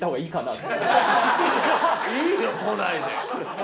いいよ来ないで。